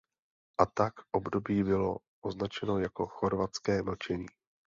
A tak období bylo označeno jako chorvatské mlčení.